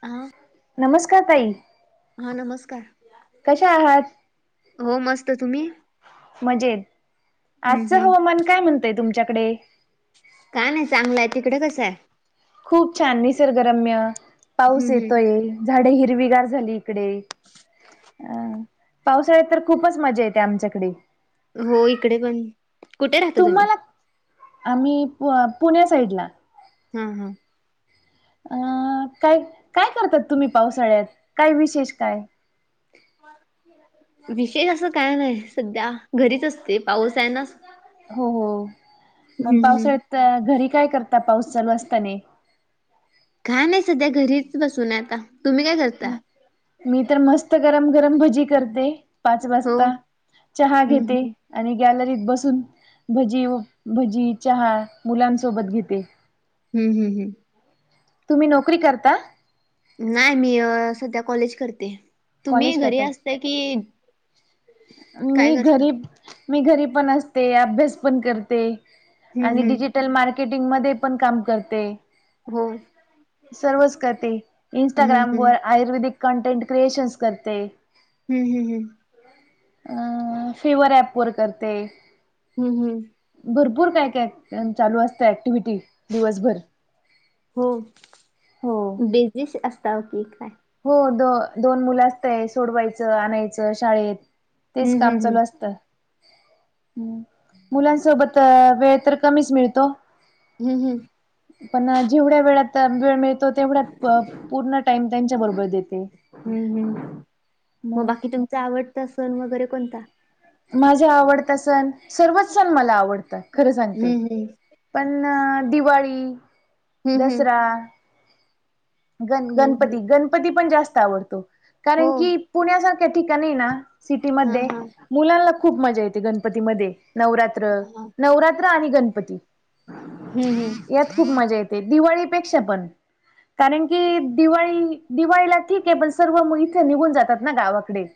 आ, नमस्कार ताई. हा नमस्कार. कशा हो मस्त तुम्ही? आहातं मजेतं. हम्म आजचं हम्म हवामान काय म्हणतयं तुमच्याकडे. काय नाही चांगलंय तिकडं कसं आहे. खूप छान निसर्गरम्य पाऊस हम्म हम्म येतोयं झाडे हिरवीगार झाली इकडे. पावसाळ्यात तर खूपचं मजा येते. आमच्याकडे, हो इकडे पण कुठं राहता तुम्ही, तुम्हाला आम्ही पुण्या साईडला. हा, हा, काय करतातं तुम्ही पावसाळ्यातं काय विशेष काय, [inaudible] विशेष असं काय नाही सध्या घरीचं असते. पाऊस आहे. ना हो हो मग हम्म हम्म पावसाळ्यातं घरी काय करता पाऊस चालू असताना. काय नाय सध्या घरीच बसून हाय आता तुम्ही काय करता? मी तर मस्त गरम गरम भजी करते. पाच हो वाजता चहा हम्म घेते. हम्म आणि गॅलरीत बसून भजी चहा मुलांसोबत घेते. हु, हू, तुम्ही नोकरी करता. नाही नाही मी सध्या कॉलेज करते. तुम्ही कॉलेज घरी करता असता कि. मी घरी पण असते अभ्यास पण करते. हम्म आणि हम्म डिजिटल मार्केटिंग मध्ये पण काम करते. हो सर्वचं करते हम्म इंस्टाग्राम वर, हम्म आयुर्वेदिक कंटेंट क्रिएशनस करते. हम् हम् हम अ. फिवर ऍप वर करते. हम् हम्म, भरपूर काय काय चालू असतं ऍक्टिव्हटी दिवसभर, हो हो बिझी असता कि काय हो दोन मुलं असतयं सोडवायचं आणायचं शाळेत. तेचं हम्म काम हम्म चालू असतं. ह् मुलांसोबत वेळ तर कमीच मिळतो हम् हम् पण जेवढ्या वेळात वेळ मिळतो तेवढ्या पूर्ण टाइम त्यांच्या हम्म बरोबर देते हम्म मग बाकी तुमचा आवडता सण वगैरे कोणता? माझा आवडता सण सर्वच सण मला आवडतात खरं सांगते. हम्म हम्म पण दिवाळी, हम्म हम्म. दसरा गण हम्म गणपती हम्म गणपती पण जास्त आवडतो हो. कारण की पुण्यासारख्या ठिकाणी ना हा सिटीमध्ये हा मुलांना खूप मजा येते गणपतीमध्ये नवरात्र हा हा. नवरात राणी गणपती. हम्म हम्म. यात खूप मजा येते दिवाळीपेक्षा पण. कारण की दिवाळी दिवाळीला ठीक आहे पण सर्व इथे निघून जातात ना गावाकडे. ह.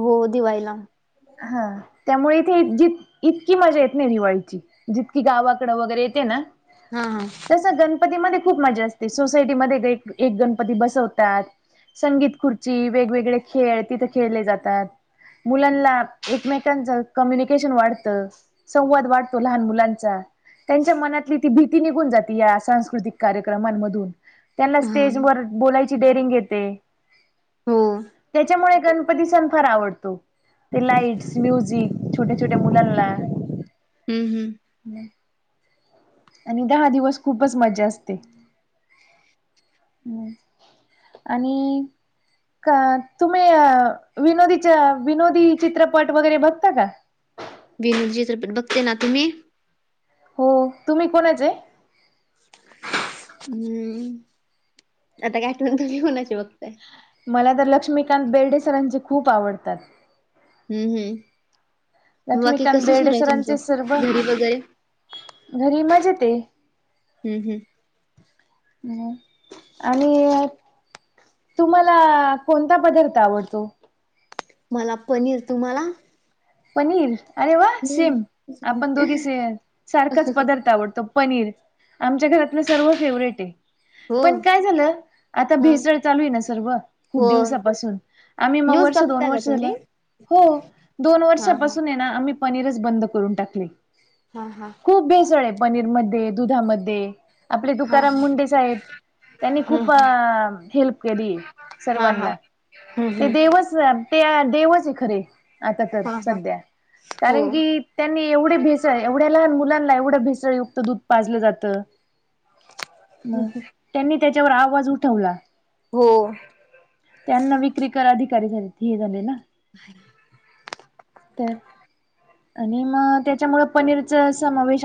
हो दिवाळीला. त्यामुळे इथे ज इतकी मजा येत नाही दिवाळीची जितकी गावाकडे वगैरे येते ना. हम् हम. तस गणपतीमध्ये खूप मजा असते सोसायटीमध्ये एक गणपती बसवतात. संगीत खुर्ची वेगवेगळे खेळ तिथे खेळले जातात. मुलांना एकमेकांचं कम्युनिकेशन वाढतं. संवाद वाढतो लहान मुलांचा. त्यांच्या मनातली ती भीती निघून जाते या सांस्कृतिक कार्यक्रमांमधून. त्यांना हा स्टेज वर बोलायची डेरिंग येते. हो त्याच्यामुळे पती सन फार आवडतो. ते लाईट्स, म्युझिक छोट्या छोट्या मुलांना हम्म हम्म. आणि दहा दिवस खूपच मज्जा असते. आणि का तुम्ही विनोदीच्या विनोदी चित्रपट वगैरे बघता का? विनूद चित्रपट बघते ना, तुम्ही? हो, तुम्ही कोणाच आहे? हम्म आता कायठ तु कणाची बघताय? मला तर लक्ष्मीकांत बेर्डेसरांचे खूप आवडतात. हम्म हम्, बाकी लक्ष्मीकांत कस सुर बेर्डे आहे तुमचं सरांचे सर्व घरी वगैरे? घरी मजेत. हम् हम्. मग आणि तुम्हाला कोणता पदार्थ आवडतो? मला पनीर, तुम्हाला? पनीर अरे वा हम्म सेम आपण दोघे स सारखाच पदार्थ आवडतो. पनीर आमच्या घरातलं सर्व फेवरेट आहे. हो पण काय झालं आता हा भेसळ चालू आहे ना सर्व खूप हो. दिवसापासून. आम्ही मग न्यूज वर्ष दोन बघता का वर्ष झालं तुम्ही? हो दोन वर्ष हा हा नाही ना आम्ही पनीरच बंद करून टाकलय. हा हा. खूप भेसळ आहे. पनीरमध्ये दुधामध्ये आपले हा तुकाराम हा मुंडे साहेब त्यांनी हम्म खूप अ हम्म हेल्प केली हा हा सर्वांना. हम्म ते हम्म. देवच ते देवच आहे खरे आता तर हा हा सध्या हो कारण की त्यांनी एवढे भेसळ एवढ्या लहान मुलांना एवढं भेसळयुक्त दूध पाजलं जातं. म त्यांनी त्याच्यावर आवाज उठवला. हो. त्यांना विक्री क अधिकारी झाले हे झाले ना. नाही. तर आणि मग त्याच्यामुळे पनीरचा समावेश आ